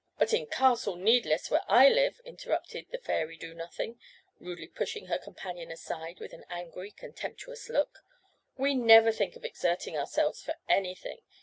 "But in Castle Needless, where I live," interrupted the fairy Do nothing, rudely pushing her companion aside with an angry, contemptuous look, "we never think of exerting ourselves for anything.